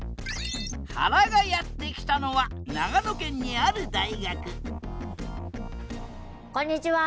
はらがやって来たのは長野県にある大学こんにちは！